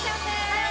はい！